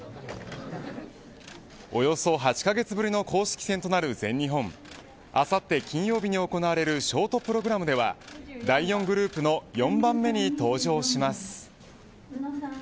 およそ８カ月ぶりの公式戦となる全日本あさって金曜日に行われるショートプログラムでは第４グループの４番目に登場します。